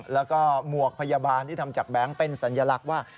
แล้วก็หมวกพยาบาลที่ทำจากแบงค์เป็นสัญลักษณ์ว่า